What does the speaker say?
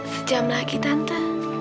sejam lagi tante